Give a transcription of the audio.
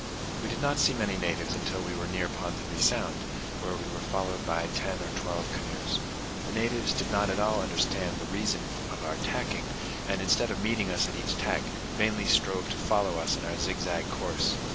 We did not see many natives until we were near Ponsonby Sound, where we were followed by ten or twelve canoes. The natives did not at all understand the reason of our tacking, and, instead of meeting us at each tack, vainly strove to follow us in our zigzag course.